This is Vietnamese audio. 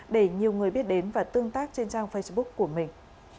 để nhiều người biết đến và tương tác trên trang facebook của mình